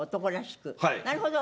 なるほど。